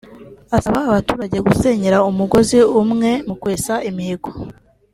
asaba abaturage gusenyera umugozi umwe mu kwesa imihigo